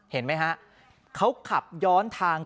เห็นไหมฮะเขาขับย้อนทาง